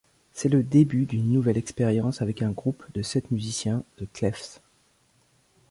C'est le début d'une nouvelle expérience avec un groupe de sept musiciens, The Cleffs.